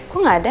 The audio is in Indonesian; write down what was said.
kok gak ada